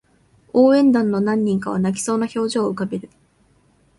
応援団の何人かは泣きそうな表情を浮かべる